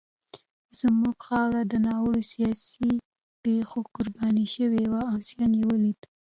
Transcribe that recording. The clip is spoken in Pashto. زموږ خاوره د ناوړه سیاسي پېښو قرباني شوې وه او زیان یې ولید.